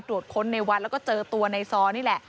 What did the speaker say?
ตรวจค้นในวัดแล้วก็เจอตัวในซอนี่แหละ